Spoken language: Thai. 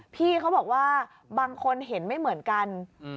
พี่เขาบอกว่าบางคนเห็นไม่เหมือนกัน